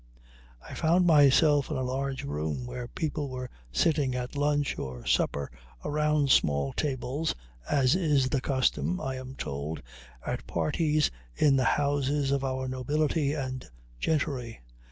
I found myself in a large room, where people were sitting at lunch or supper around small tables, as is the custom, I am told, at parties in the houses of our nobility and gentry.